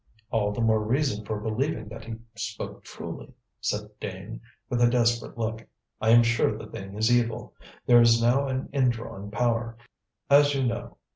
"All the more reason for believing that he spoke truly," said Dane, with a desperate look. "I am sure the thing is evil. There is now an in drawing power, as you know.